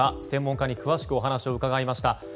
専門家に詳しくお話を伺いました。